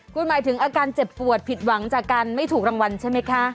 คุณหมายถึงอาการเจ็บปวดผิดหวังจากการไม่ถูกรางวัลใช่ไหมคะ